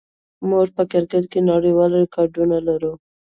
موږ په کرکټ کې نړیوال ریکارډونه لرو.